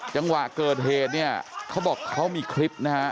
จังหวะเกิดเหตุเนี่ยเขาบอกเขามีคลิปนะฮะ